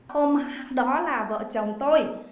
hôm đó là vợ chồng tôi